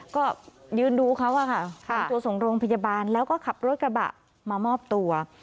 ก็ยืนดูเขาอะค่ะนำตัวส่งโรงพยาบาลแล้วก็ขับรถกระบะมามอบตัว